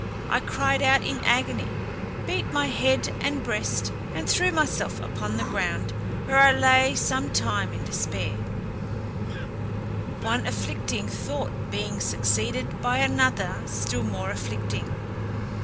I cried out in agony; beat my head and breast, and threw myself upon the ground, where I lay some time in despair, one afflicting thought being succeeded by another still more afflicting.